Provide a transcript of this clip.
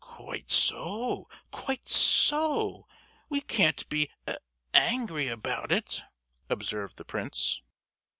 "Quite so, quite so. We can't be a—angry about it," observed the prince.